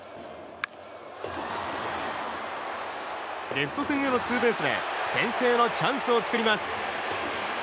レフト線へのツーベースで先制のチャンスを作ります。